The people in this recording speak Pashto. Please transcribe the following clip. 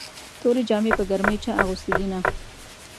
تورې جامې په ګرمۍ چا اغوستې دينه